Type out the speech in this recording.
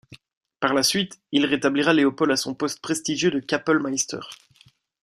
Par la suite, il rétablira Leopold à son poste prestigieux de Kapellmeister.